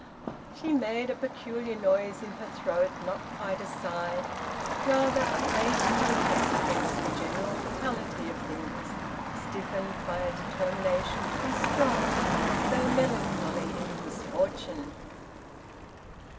She made a peculiar noise in her throat, not quite a sigh; rather a brave protest against the general fatality of things, stiffened by a determination to be strong though melancholy in misfortune.